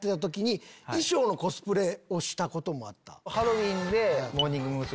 ハロウィーンでモーニング娘。